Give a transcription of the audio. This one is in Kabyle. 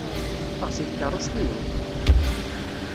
Ffeɣ seg tkeṛṛust-inu!